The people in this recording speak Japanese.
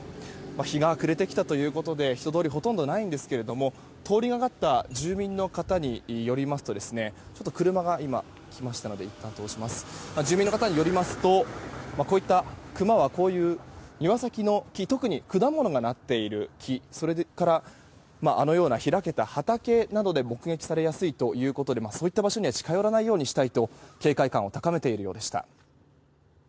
日が暮れてきたということで人通りはほとんどないんですが通りがかかった住民の方によりますとクマはこうした庭先の木特に果物がなっている木それから開けた畑などで目撃されやすいということでそういった場所には近寄らないようにしたいと警戒感を高めているようでした。